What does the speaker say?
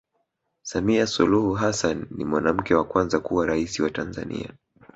samia suluhu hassan ni mwanamke wa kwanza kuwa raisi wa tanzania